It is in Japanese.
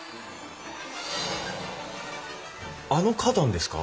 あの花壇ですか？